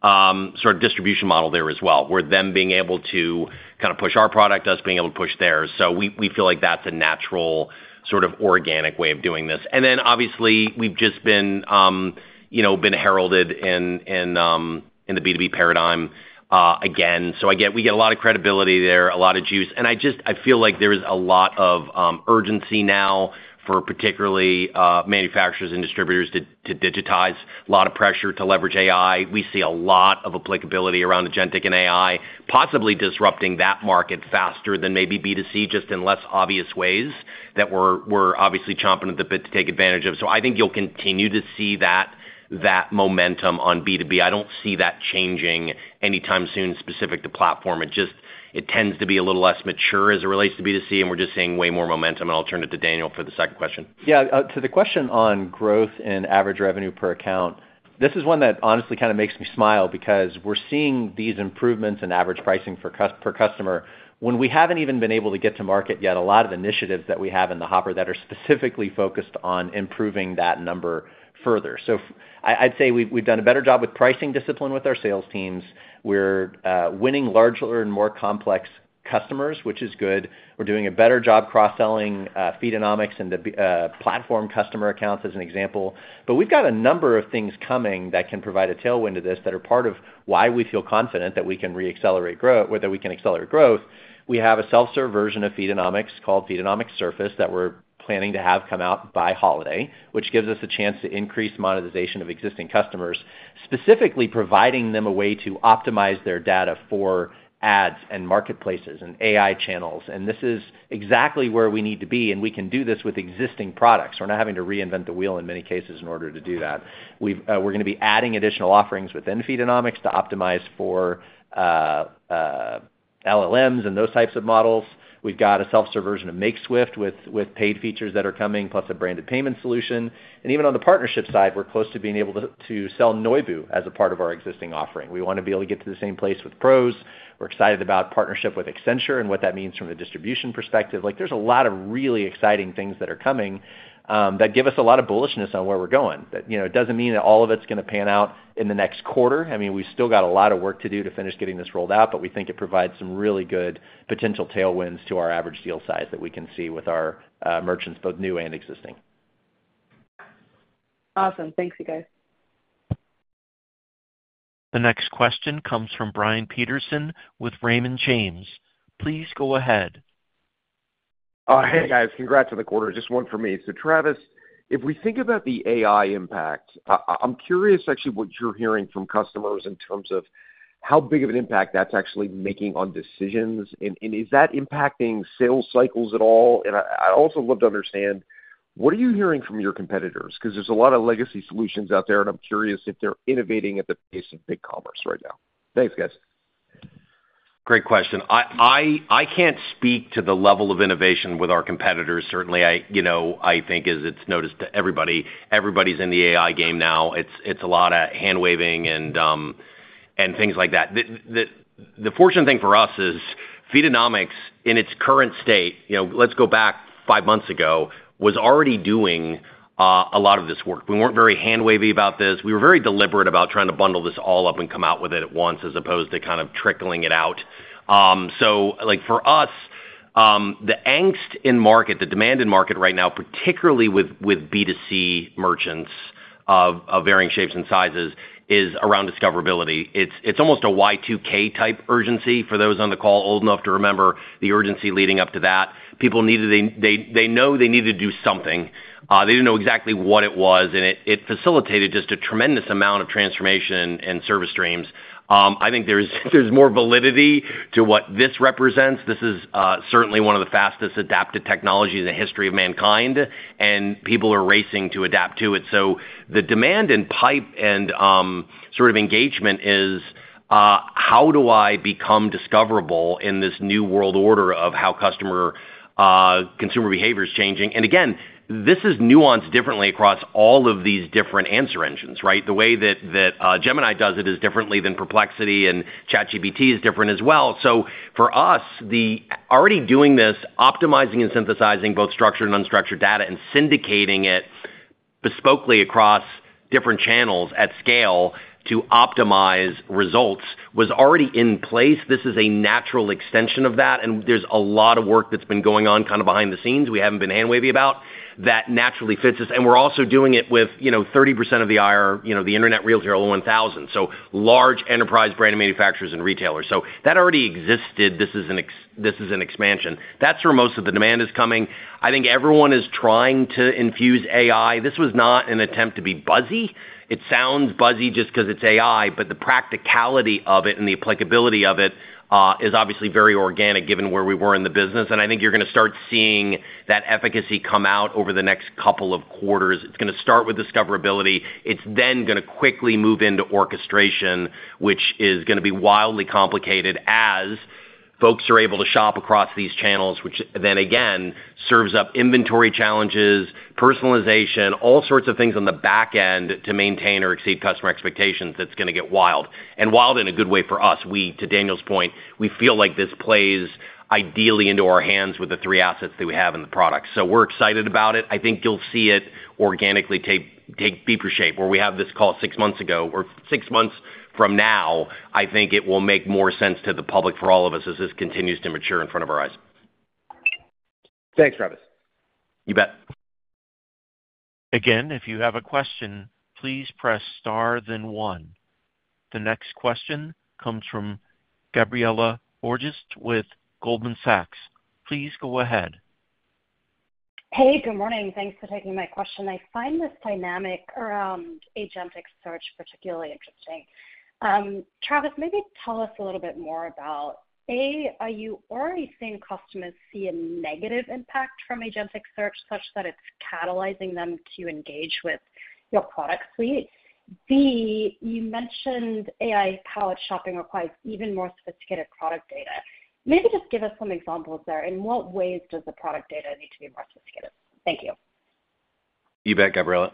sort of distribution model there as well, where them being able to kind of push our product, us being able to push theirs. We feel like that's a natural sort of organic way of doing this. Obviously, we've just been heralded in the B2B paradigm again. We get a lot of credibility there, a lot of juice. I just feel like there's a lot of urgency now for particularly manufacturers and distributors to digitize. A lot of pressure to leverage AI. We see a lot of applicability around agentic and AI, possibly disrupting that market faster than maybe B2C just in less obvious ways that we're obviously chomping at the bit to take advantage of. I think you'll continue to see that momentum on B2B. I don't see that changing anytime soon specific to platform. It just tends to be a little less mature as it relates to B2C, and we're just seeing way more momentum. I'll turn it to Daniel for the second question. Yeah, to the question on growth in average revenue per account, this is one that honestly kind of makes me smile because we're seeing these improvements in average pricing per customer when we haven't even been able to get to market yet a lot of initiatives that we have in the hopper that are specifically focused on improving that number further. I'd say we've done a better job with pricing discipline with our sales teams. We're winning larger and more complex customers, which is good. We're doing a better job cross-selling Feedonomics and the platform customer accounts as an example. We've got a number of things coming that can provide a tailwind to this that are part of why we feel confident that we can reaccelerate growth, or that we can accelerate growth. We have a self-serve version of Feedonomics that we're planning to have come out by holiday, which gives us a chance to increase monetization of existing customers, specifically providing them a way to optimize their data for ads and marketplaces and AI channels. This is exactly where we need to be, and we can do this with existing products. We're not having to reinvent the wheel in many cases in order to do that. We're going to be adding additional offerings within Feedonomics to optimize for LLMs and those types of models. We've got a self-serve version of Makeswift with paid features that are coming, plus a branded payment solution. Even on the partnership side, we're close to being able to sell Noibu as a part of our existing offering. We want to be able to get to the same place with PROS. We're excited about partnership with Accenture and what that means from the distribution perspective. There are a lot of really exciting things that are coming that give us a lot of bullishness on where we're going. It doesn't mean that all of it's going to pan out in the next quarter. We've still got a lot of work to do to finish getting this rolled out, but we think it provides some really good potential tailwinds to our average deal size that we can see with our merchants, both new and existing. Awesome. Thanks, you guys. The next question comes from Brian Peterson with Raymond James. Please go ahead. Hey, guys, congrats on the quarter. Just one for me. Travis, if we think about the AI impact, I'm curious actually what you're hearing from customers in terms of how big of an impact that's actually making on decisions, and is that impacting sales cycles at all? I also love to understand what are you hearing from your competitors? There's a lot of legacy solutions out there, and I'm curious if they're innovating at the pace of BigCommerce right now. Thanks, guys. Great question. I can't speak to the level of innovation with our competitors. Certainly, I think as it's noticed to everybody, everybody's in the AI game now. It's a lot of hand waving and things like that. The fortunate thing for us is Feedonomics in its current state, you know, let's go back five months ago, was already doing a lot of this work. We weren't very hand wavy about this. We were very deliberate about trying to bundle this all up and come out with it at once as opposed to kind of trickling it out. For us, the angst in market, the demand in market right now, particularly with B2C merchants of varying shapes and sizes, is around discoverability. It's almost a Y2K type urgency. For those on the call old enough to remember the urgency leading up to that, people needed, they know they needed to do something. They didn't know exactly what it was, and it facilitated just a tremendous amount of transformation and service streams. I think there's more validity to what this represents. This is certainly one of the fastest adapted technologies in the history of mankind, and people are racing to adapt to it. The demand and pipe and sort of engagement is how do I become discoverable in this new world order of how customer consumer behavior is changing. This is nuanced differently across all of these different answer engines, right? The way that Gemini does it is differently than Perplexity, and ChatGPT is different as well. For us, already doing this, optimizing and synthesizing both structured and unstructured data and syndicating it bespokely across different channels at scale to optimize results was already in place. This is a natural extension of that, and there's a lot of work that's been going on kind of behind the scenes we haven't been hand wavy about that naturally fits us. We're also doing it with 30% of the IR, you know, the Internet Retailer 1000. So large enterprise brand manufacturers and retailers. That already existed. This is an expansion. That's where most of the demand is coming. I think everyone is trying to infuse AI. This was not an attempt to be buzzy. It sounds buzzy just because it's AI, but the practicality of it and the applicability of it is obviously very organic given where we were in the business. I think you're going to start seeing that efficacy come out over the next couple of quarters. It's going to start with discoverability. It's then going to quickly move into orchestration, which is going to be wildly complicated as folks are able to shop across these channels, which then again serves up inventory challenges, personalization, all sorts of things on the back end to maintain or exceed customer expectations. That is going to get wild, and wild in a good way for us. To Daniel's point, we feel like this plays ideally into our hands with the three assets that we have in the product. We're excited about it. I think you'll see it organically take deeper shape. Where we have this call six months ago, or six months from now, I think it will make more sense to the public for all of us as this continues to mature in front of our eyes. Thanks, Travis. You bet. Again, if you have a question, please press star, then one. The next question comes from Gabriela Borges with Goldman Sachs. Please go ahead. Hey, good morning. Thanks for taking my question. I find this dynamic around agentic search particularly interesting. Travis, maybe tell us a little bit more about, A, are you already seeing customers see a negative impact from agentic search such that it's catalyzing them to engage with your product suite? B, you mentioned AI-powered shopping requires even more sophisticated product data. Maybe just give us some examples there. In what ways does the product data need to be more sophisticated? Thank you. You bet, Gabriela.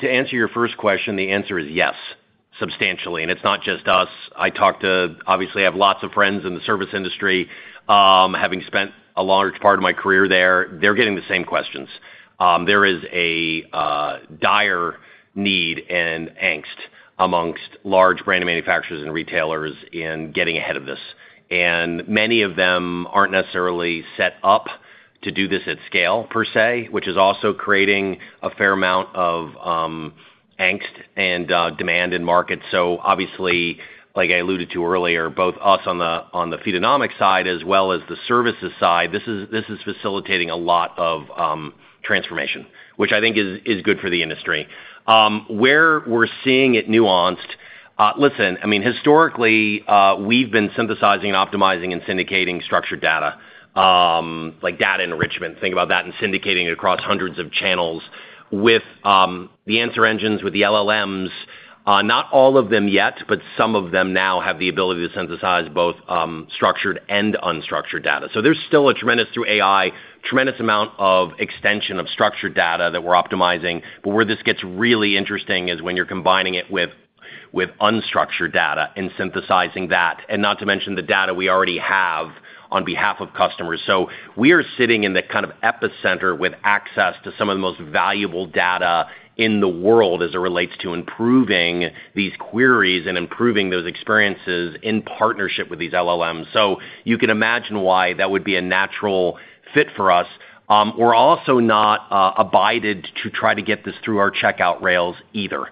To answer your first question, the answer is yes, substantially. It's not just us. I talk to, obviously, I have lots of friends in the service industry, having spent a large part of my career there. They're getting the same questions. There is a dire need and angst amongst large brand manufacturers and retailers in getting ahead of this. Many of them aren't necessarily set up to do this at scale per se, which is also creating a fair amount of angst and demand in markets. Obviously, like I alluded to earlier, both us on the Feedonomics side as well as the services side, this is facilitating a lot of transformation, which I think is good for the industry. Where we're seeing it nuanced, listen, historically, we've been synthesizing and optimizing and syndicating structured data, like data enrichment. Think about that and syndicating it across hundreds of channels with the answer engines, with the LLMs. Not all of them yet, but some of them now have the ability to synthesize both structured and unstructured data. There's still a tremendous, through AI, tremendous amount of extension of structured data that we're optimizing. Where this gets really interesting is when you're combining it with unstructured data and synthesizing that, and not to mention the data we already have on behalf of customers. We are sitting in the kind of epicenter with access to some of the most valuable data in the world as it relates to improving these queries and improving those experiences in partnership with these LLMs. You can imagine why that would be a natural fit for us. We're also not abided to try to get this through our checkout rails either.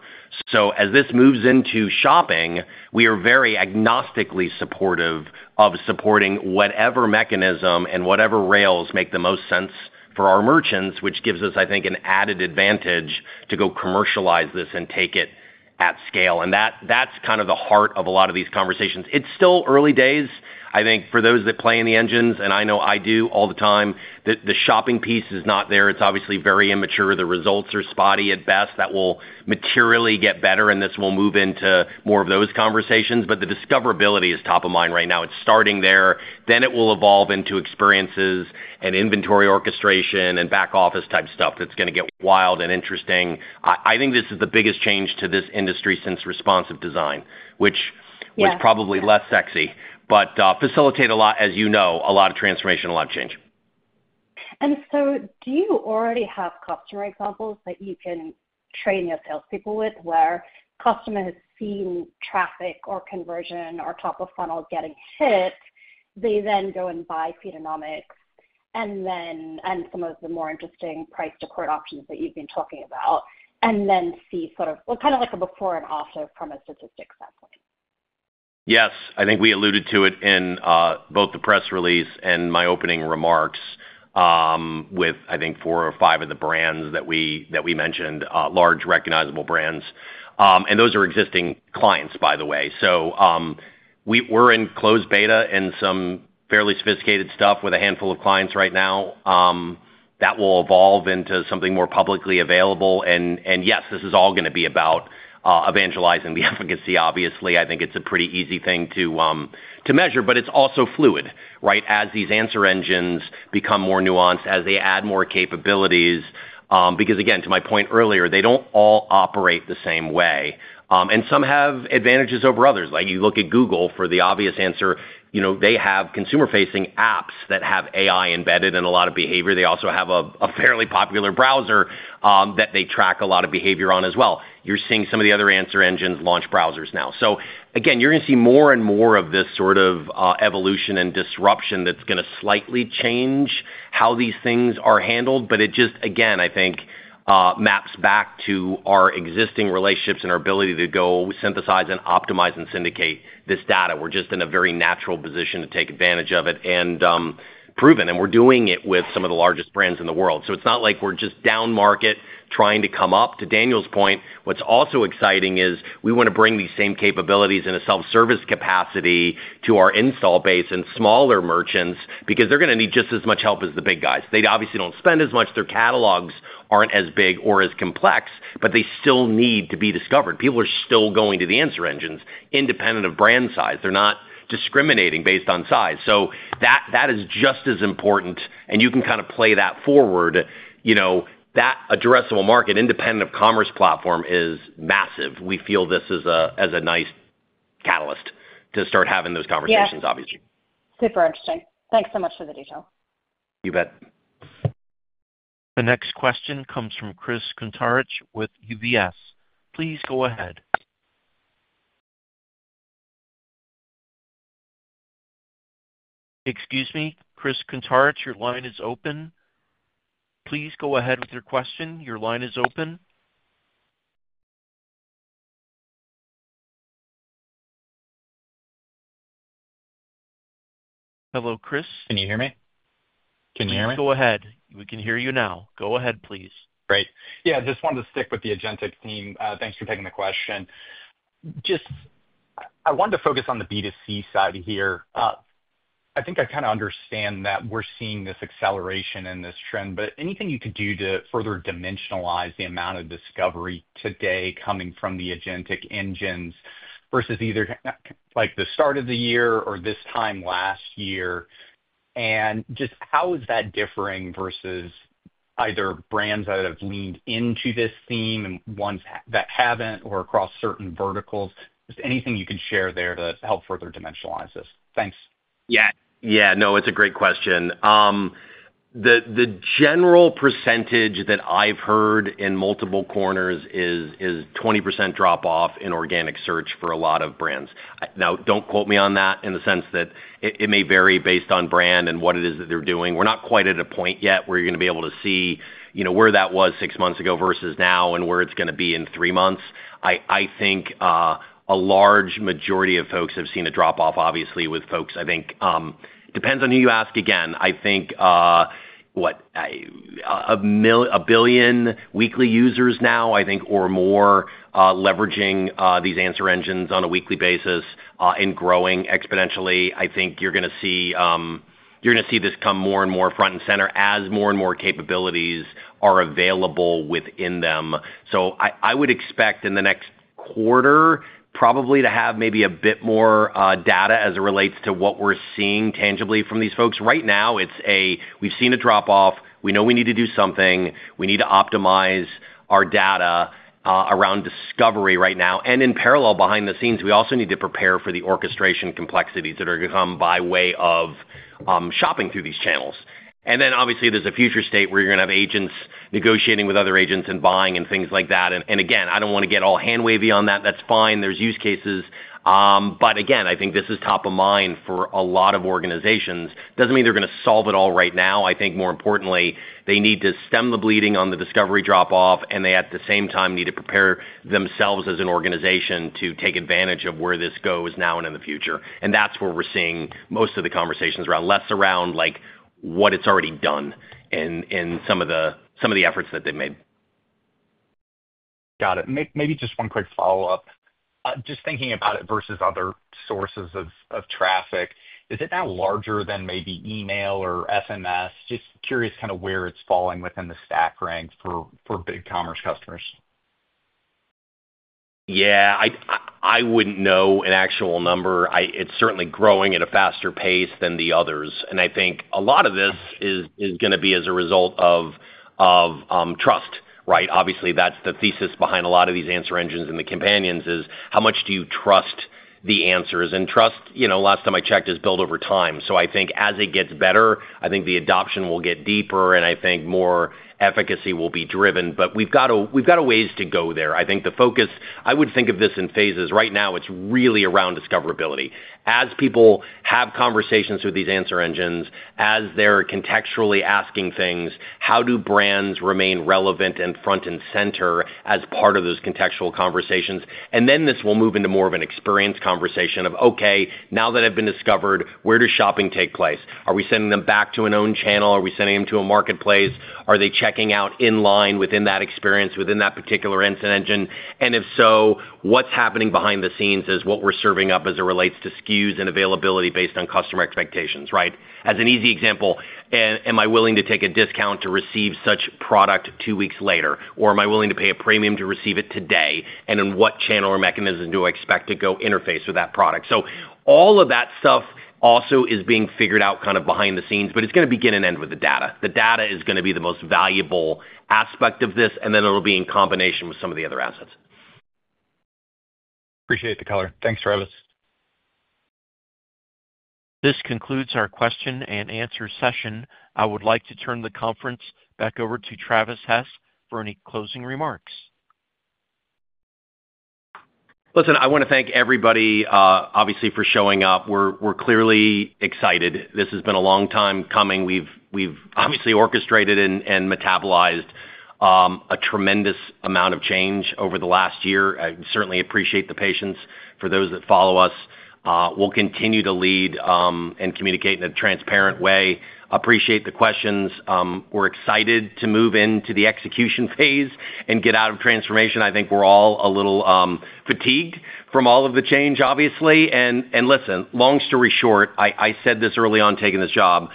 As this moves into shopping, we are very agnostically supportive of supporting whatever mechanism and whatever rails make the most sense for our merchants, which gives us, I think, an added advantage to go commercialize this and take it at scale. That's kind of the heart of a lot of these conversations. It's still early days, I think, for those that play in the engines, and I know I do all the time, that the shopping piece is not there. It's obviously very immature. The results are spotty at best. That will materially get better, and this will move into more of those conversations. The discoverability is top of mind right now. It's starting there. It will evolve into experiences and inventory orchestration and back-office type stuff that's going to get wild and interesting. I think this is the biggest change to this industry since responsive design, which was probably less sexy, but facilitates a lot, as you know, a lot of transformation, a lot of change. Do you already have customer examples that you can train your salespeople with where customers have seen traffic or conversion or top of funnel getting hit? They then go and buy Feedonomics and then some of the more interesting price to quote options that you've been talking about and then see sort of what kind of like a before and after from a statistics standpoint. Yes, I think we alluded to it in both the press release and my opening remarks with, I think, four or five of the brands that we mentioned, large recognizable brands. Those are existing clients, by the way. We're in closed beta and some fairly sophisticated stuff with a handful of clients right now. That will evolve into something more publicly available. Yes, this is all going to be about evangelizing the efficacy, obviously. I think it's a pretty easy thing to measure, but it's also fluid, right? As these answer engines become more nuanced, as they add more capabilities, because again, to my point earlier, they don't all operate the same way. Some have advantages over others. For example, you look at Google for the obvious answer. They have consumer-facing apps that have AI embedded in a lot of behavior. They also have a fairly popular browser that they track a lot of behavior on as well. You're seeing some of the other answer engines launch browsers now. You're going to see more and more of this sort of evolution and disruption that's going to slightly change how these things are handled. It just, again, I think maps back to our existing relationships and our ability to go synthesize and optimize and syndicate this data. We're just in a very natural position to take advantage of it and prove it. We're doing it with some of the largest brands in the world. It's not like we're just down market trying to come up. To Daniel's point, what's also exciting is we want to bring these same capabilities in a self-service capacity to our install base and smaller merchants because they're going to need just as much help as the big guys. They obviously don't spend as much. Their catalogs aren't as big or as complex, but they still need to be discovered. People are still going to the answer engines independent of brand size. They're not discriminating based on size. That is just as important. You can kind of play that forward. That addressable market independent of Commerce platform is massive. We feel this is a nice catalyst to start having those conversations, obviously. Super interesting. Thanks so much for the detail. You bet. The next question comes from Chris Kuntaric with UBS. Please go ahead. Excuse me, Chris Kuntaric, your line is open. Please go ahead with your question. Your line is open. Hello, Chris. Can you hear me? Can you hear me? Please go ahead. We can hear you now. Go ahead, please. Great. Yeah, I just wanted to stick with the agentic theme. Thanks for taking the question. I wanted to focus on the B2C side here. I think I kind of understand that we're seeing this acceleration and this trend, but anything you could do to further dimensionalize the amount of discovery today coming from the agentic engines versus either like the start of the year or this time last year? How is that differing versus either brands that have leaned into this theme and ones that haven't or across certain verticals? Anything you could share there to help further dimensionalize this. Thanks. Yeah, it's a great question. The general percentage that I've heard in multiple corners is a 20% drop-off in organic search for a lot of brands. Now, don't quote me on that in the sense that it may vary based on brand and what it is that they're doing. We're not quite at a point yet where you're going to be able to see where that was six months ago versus now and where it's going to be in three months. I think a large majority of folks have seen a drop-off, obviously, with folks. I think it depends on who you ask again. I think, what, a billion weekly users now, or more, leveraging these answer engines on a weekly basis and growing exponentially. You're going to see this come more and more front and center as more and more capabilities are available within them. I would expect in the next quarter probably to have maybe a bit more data as it relates to what we're seeing tangibly from these folks. Right now, we've seen a drop-off. We know we need to do something. We need to optimize our data around discovery right now. In parallel, behind the scenes, we also need to prepare for the orchestration complexities that are going to come by way of shopping through these channels. Obviously, there's a future state where you're going to have agents negotiating with other agents and buying and things like that. I don't want to get all hand wavy on that. That's fine. There are use cases. This is top of mind for a lot of organizations. It doesn't mean they're going to solve it all right now. More importantly, they need to stem the bleeding on the discovery drop-off, and at the same time need to prepare themselves as an organization to take advantage of where this goes now and in the future. That's where we're seeing most of the conversations, less around what it's already done in some of the efforts that they've made. Got it. Maybe just one quick follow-up. Just thinking about it versus other sources of traffic, is it now larger than maybe email or SMS? Just curious kind of where it's falling within the stack ranks for BigCommerce customers. I wouldn't know an actual number. It's certainly growing at a faster pace than the others. I think a lot of this is going to be as a result of trust, right? Obviously, that's the thesis behind a lot of these answer engines and the companions is how much do you trust the answers. Trust, last time I checked, is built over time. I think as it gets better, the adoption will get deeper, and I think more efficacy will be driven. We've got a ways to go there. I think the focus, I would think of this in phases. Right now, it's really around discoverability. As people have conversations with these answer engines, as they're contextually asking things, how do brands remain relevant and front and center as part of those contextual conversations? This will move into more of an experience conversation of, okay, now that I've been discovered, where does shopping take place? Are we sending them back to an owned channel? Are we sending them to a marketplace? Are they checking out in line within that experience, within that particular answer engine? If so, what's happening behind the scenes is what we're serving up as it relates to SKUs and availability based on customer expectations, right? As an easy example, am I willing to take a discount to receive such product two weeks later? Or am I willing to pay a premium to receive it today? In what channel or mechanism do I expect to go interface with that product? All of that stuff also is being figured out behind the scenes, but it's going to begin and end with the data. The data is going to be the most valuable aspect of this, and then it'll be in combination with some of the other assets. Appreciate the color. Thanks, Travis. This concludes our question and answer session. I would like to turn the conference back over to Travis Hess for any closing remarks. Listen, I want to thank everybody, obviously, for showing up. We're clearly excited. This has been a long time coming. We've orchestrated and metabolized a tremendous amount of change over the last year. I certainly appreciate the patience for those that follow us. We'll continue to lead and communicate in a transparent way. Appreciate the questions. We're excited to move into the execution phase and get out of transformation. I think we're all a little fatigued from all of the change, obviously. Long story short, I said this early on taking this job.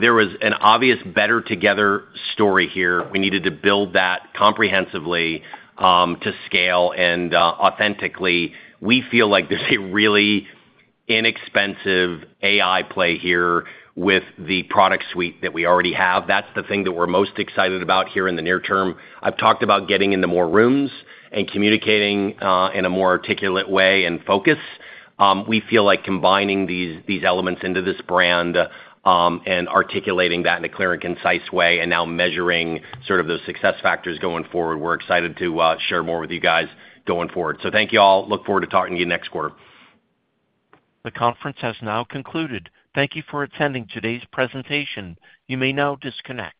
There was an obvious better together story here. We needed to build that comprehensively to scale and authentically. We feel like there's a really inexpensive AI play here with the product suite that we already have. That's the thing that we're most excited about here in the near term. I've talked about getting into more rooms and communicating in a more articulate way and focus. We feel like combining these elements into this brand and articulating that in a clear and concise way and now measuring sort of those success factors going forward. We're excited to share more with you guys going forward. Thank you all. Look forward to talking to you next quarter. The conference has now concluded. Thank you for attending today's presentation. You may now disconnect.